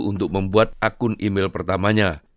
untuk membuat akun email pertamanya